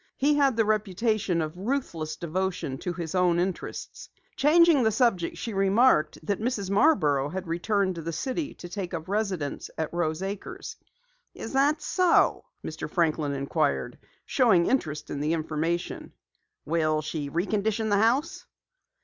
He had the reputation of ruthless devotion to his own interests. Changing the subject, she remarked that Mrs. Marborough had returned to the city to take up residence at Rose Acres. "Is that so?" Mr. Franklin inquired, showing interest in the information. "Will she recondition the house?"